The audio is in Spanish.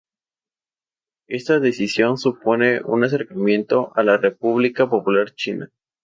Esta decisión supone un acercamiento a la República Popular China.